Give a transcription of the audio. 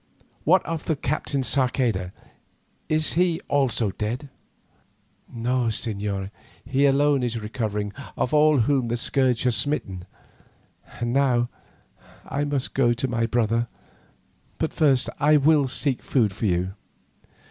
What of the Captain Sarceda? Is he also dead?" "No, señor, he alone is recovering of all whom the scourge has smitten. And now I must go to my brother, but first I will seek food for you."